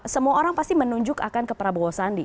semua orang pasti akan menunjuk ke prabowo sandi